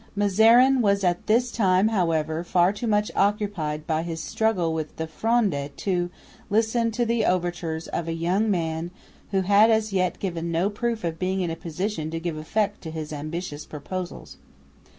Mazarin was at this time, however, far too much occupied by his struggle with the Fronde to listen to the overtures of a young man who had as yet given no proof of being in a position to give effect to his ambitious proposals.